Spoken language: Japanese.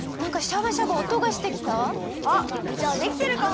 あっじゃあできてるかも！